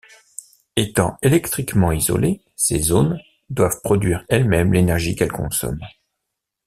Étant électriquement isolées, ces zones doivent produire elles-mêmes l’énergie qu’elles consomment.